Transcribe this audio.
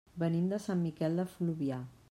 Venim de Sant Miquel de Fluvià.